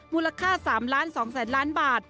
มูลค่า๓ล้าน๒๐๐ล้านบาท